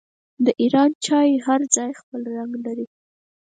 د ایران چای هر ځای خپل رنګ لري.